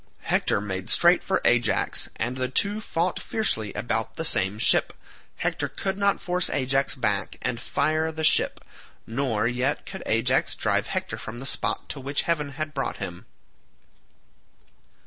Hector made straight for Ajax, and the two fought fiercely about the same ship. Hector could not force Ajax back and fire the ship, nor yet could Ajax drive Hector from the spot to which heaven had brought him.